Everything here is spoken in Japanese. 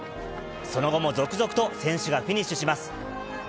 その後も続々と選手がフィニッシュします。